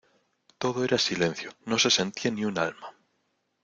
Todo era silencio, no se sentía ni un alma.